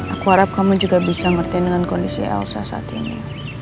aku harap kamu juga bisa mertain dengan kondisi elsa saat ini